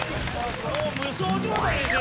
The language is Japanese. もう無双状態ですよ